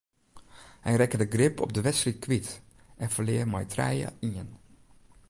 Hy rekke de grip op de wedstryd kwyt en ferlear mei trije ien.